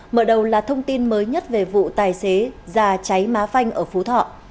mở đầu là thông tin mới nhất về vụ tài xế già cháy má phanh ở phú thọ